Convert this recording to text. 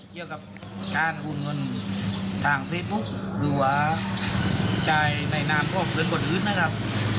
เกี่ยวกับการอุณหภัณฑ์ทางเฟซบุ๊คหรือว่าใช้ในนามฟอบเงินกฎอื่นนะครับ